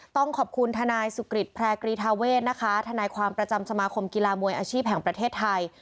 ต้องขอบคุณฐานายสุขฤทธิ์ภรรณกรีไทยฐานายความประจำสมาคมกีฬามวยอาชีพแห่งประเทศไทย